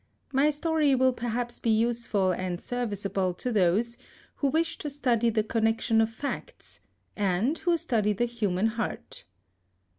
My story will perhaps be useful and serviceable to those who wish to study the connection of facts, and who study the human heart.